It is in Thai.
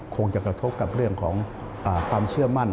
คงจะกระทบกับเรื่องของความเชื่อมั่น